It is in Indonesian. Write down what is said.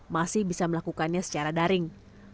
masih bisa melakukannya secara daring